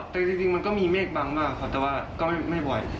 แต่จริงมันก็มีเมฆบังมากครับแต่ว่าก็ไม่บ่อย